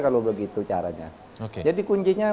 kalau begitu caranya jadi kuncinya